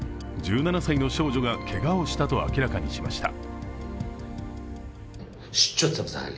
１７歳の少女がけがをしたと明らかにしました。